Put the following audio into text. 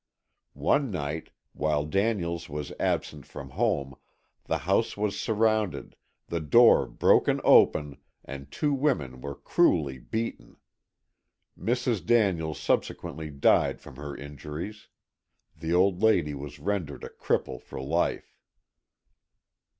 One night, while Daniels was absent from home, the house was surrounded, the door broken open and the two women were cruelly beaten. Mrs. Daniels subsequently died from her injuries; the old lady was rendered a cripple for life.